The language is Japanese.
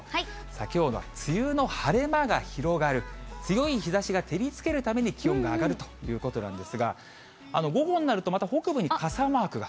きょうは梅雨の晴れ間が広がる、強い日ざしが照りつけるために気温が上がるということなんですが、午後になると、また北部に傘マークが。